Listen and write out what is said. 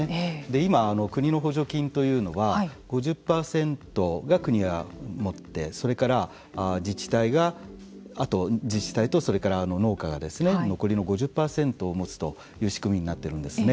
今、国の補助金というのは５０％が国が持ってそれから自治体があと自治体と農家が残りの５０％を持つという仕組みになってるんですね。